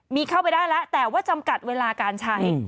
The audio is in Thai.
มีเข้าไปได้แล้วแต่ว่าจำกัดเวลาการใช้